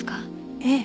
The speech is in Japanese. ええ。